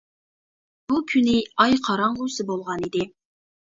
بۇ كۈنى ئاي قاراڭغۇسى بولغان ئىدى.